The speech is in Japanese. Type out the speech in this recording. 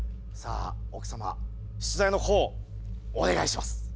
さあ奥様出題のほうをお願いします。